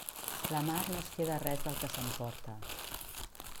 La mar no es queda res del que s'emporta.